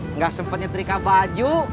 enggak sempat nyetrika baju